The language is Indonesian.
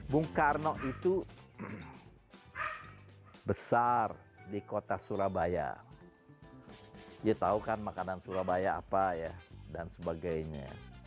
bung karno itu besar di kota surabaya dia tahu kan makanan surabaya apa ya dan sebagainya